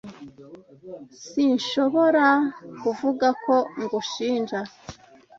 Sinshobora kuvuga ko ngushinja.